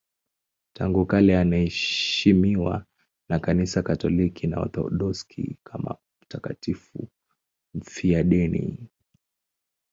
Tangu kale anaheshimiwa na Kanisa Katoliki na Waorthodoksi kama mtakatifu mfiadini.